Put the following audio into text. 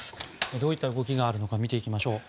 どういった動きがあるのか見ていきましょう。